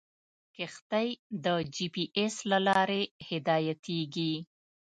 کښتۍ د جي پي ایس له لارې هدایتېږي.